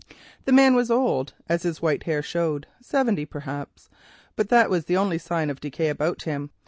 The man was old, as his white hair showed, seventy perhaps, but that was the only sign of decay about him.